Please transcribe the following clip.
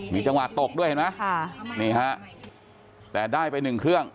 มีจังหวะตกด้วยเห็นไหมแต่ได้ไป๑เครื่อง